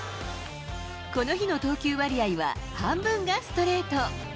この日の投球割合は、半分がストレート。